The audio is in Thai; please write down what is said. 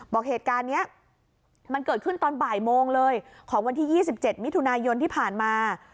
บอกเหตุการณ์นี้มันเกิดขึ้นตอนบ่ายโมงเลยของวันที่๒๗มิถุนายนที่ผ่านมา